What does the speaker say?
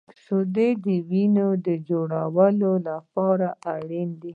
• شیدې د وینې جوړولو لپاره اړینې وي.